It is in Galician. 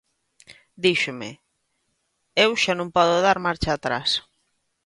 Díxome: Eu xa non podo dar marcha atrás.